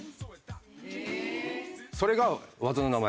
それが技の名前